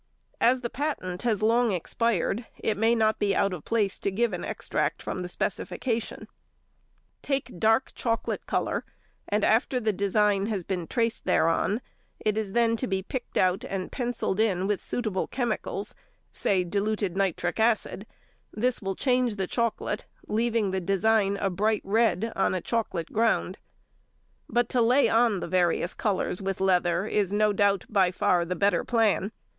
As the patent has long expired, it may not be out of place to give an extract from the specification: "Take dark chocolate colour, and after the design has been traced thereon, it is then to be picked out or pencilled in with suitable chemicals, say diluted nitric acid; this will change the chocolate, leaving the design a bright red on a chocolate ground." But to lay on the various colours with leather is, no doubt, by far the better plan.